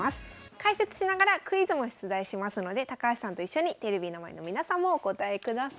解説しながらクイズも出題しますので高橋さんと一緒にテレビの前の皆さんもお答えください。